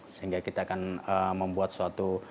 sehingga kita akan membuat suatu